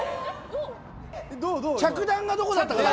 着弾がどこだったかだね